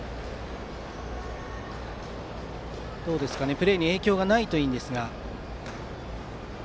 プレーに影響がないといいですが。